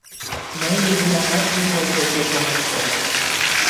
Мый нигунамат еҥ ой почеш ом ыште.